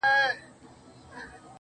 ښه خلک خوشحالي خپروي.